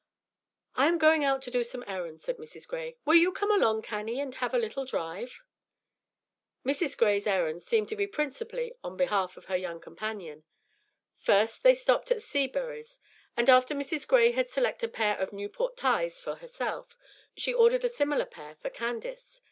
"I am going out to do some errands," said Mrs. Gray; "will you come along, Cannie, and have a little drive?" Mrs. Gray's errands seemed to be principally on behalf of her young companion. First they stopped at Seabury's, and after Mrs. Gray had selected a pair of "Newport ties" for herself, she ordered a similar pair for Candace.